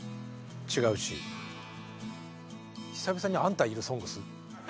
違うし久々にあんたいる「ＳＯＮＧＳ」。